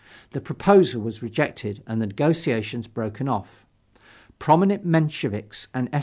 The proposal was rejected and the negotiations broken off. Prominent Mensheviks and S.